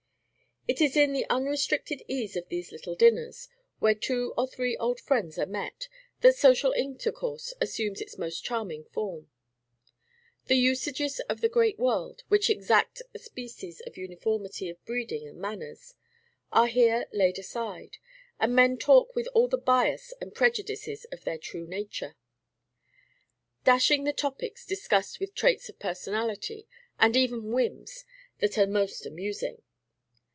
It is in the unrestricted ease of these "little dinners," where two or three old friends are met, that social intercourse assumes its most charming form. The usages of the great world, which exact a species of uniformity of breeding and manners, are here laid aside, and men talk with all the bias and prejudices of their true nature, dashing the topics discussed with traits of personality, and even whims, that are most amusing.